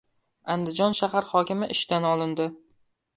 Andijon shahar hokimi ishdan olindi